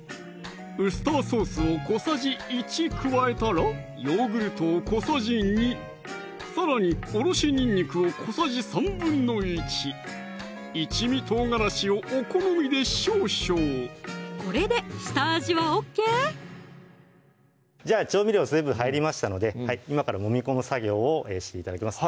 ウスターソースを小さじ１加えたらヨーグルトを小さじ２さらにおろしにんにくを小さじ１／３一味唐辛子をお好みで少々これで下味はＯＫじゃあ調味料全部入りましたので今からもみ込む作業をして頂きます